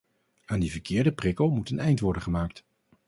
Aan die verkeerde prikkel moet een eind worden gemaakt.